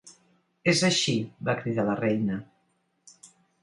"És així", va cridar la reina.